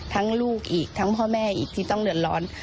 ลูกอีกทั้งพ่อแม่อีกที่ต้องเดือดร้อน